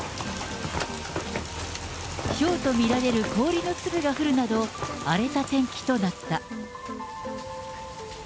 ひょうと見られる氷の粒が降るなど、荒れた天気となった。